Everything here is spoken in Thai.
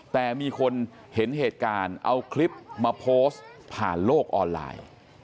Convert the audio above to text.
แต่มีคนเห็นเหตุการณ์เอาคลิปมาโพสต์ผ่านโลกออนไลน์